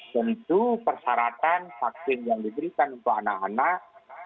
tentu persyaratan vaksin yang diberikan untuk anak anak